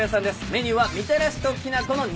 メニューはみたらしときな粉の２種類のみ。